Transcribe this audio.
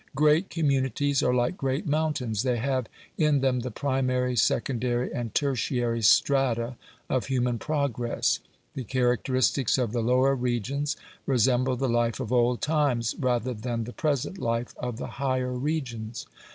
Great communities are like great mountains they have in them the primary, secondary, and tertiary strata of human progress; the characteristics of the lower regions resemble the life of old times rather than the present life of the higher regions.